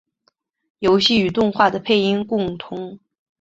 游戏与动画的配音共通。